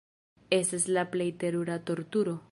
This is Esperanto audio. Estas la plej terura torturo.